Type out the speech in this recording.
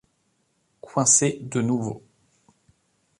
Coincé de nouveau.